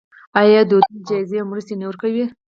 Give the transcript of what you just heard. آیا دوی جایزې او مرستې نه ورکوي؟